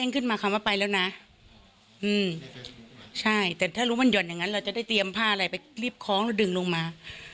คุณลุงมา